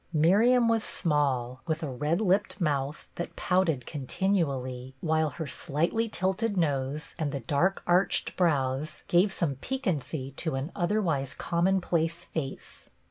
Miriam was small, with a red lipped mouth that pouted continually, while her slightly tilted nose and the dark arched brows gave some piquancy to an otherwise commonplace face.